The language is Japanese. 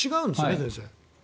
先生。